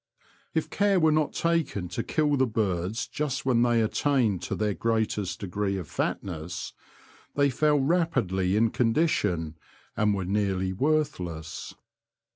If care were not taken to kill the birds just when they attained to their greatest degree of fatness they fell rapidly in condition, and were nearly worthless.